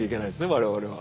我々は。